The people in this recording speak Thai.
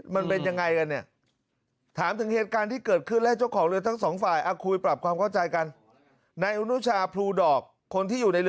มันเป็นยังไงกันเนี่ย